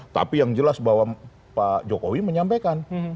tapi yang jelas bahwa pak jokowi menyampaikan